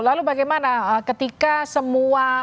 lalu bagaimana ketika semua